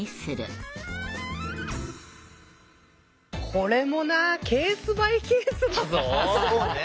これもなケース・バイ・ケースだぞ。